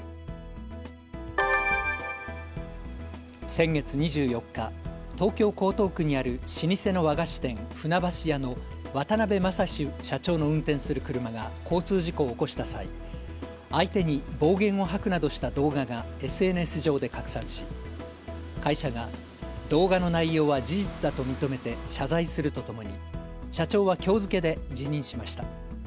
先月２４日、東京江東区にある老舗の和菓子店、船橋屋の渡辺雅司社長の運転する車が交通事故を起こした際、相手に暴言を吐くなどした動画がＳＮＳ上で拡散し会社が動画の内容は事実だと認めて謝罪するとともに社長はきょう付けで辞任しました。